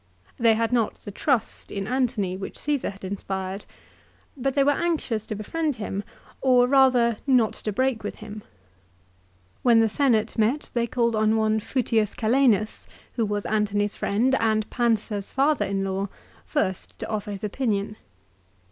They had not the trust in Antony which Csesar had inspired. But they were anxious to befriend him, or rather not to break with him. When the Senate met they called on one Fufius Calenus, who was Antony's friend and Pansa's father in law, first to offer his opinion.